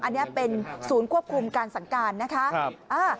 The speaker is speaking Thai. อันนี้เป็นศูนย์ควบคุมการสั่งการนะคะ